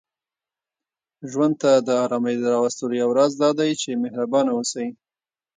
ژوند ته د آرامۍ د راوستلو یو راز دا دی، چې محربانه اوسئ